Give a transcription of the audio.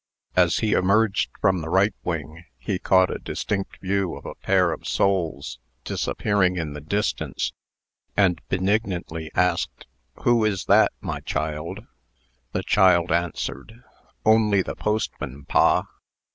As he emerged from the right wing, he caught a distinct view of a pair of soles disappearing in the distance, and benignantly asked: "Who is that, my child?" The child answered: "Only the postman, pa."